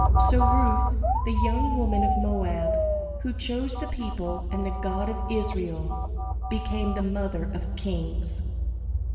So Ruth, the young woman of Moab, who chose the people and the God of Israel, became the mother of kings.